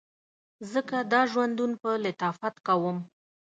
ځکه دا ژوندون په لطافت کوم